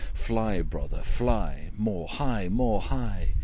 Fly, brother, fly! more high, more high!